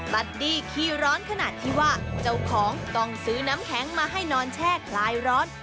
บัดดี้ขี้ร้อนขนาดที่ว่าเจ้าของต้องซื้อน้ำแข็งมาให้นอนแช่คลายร้อน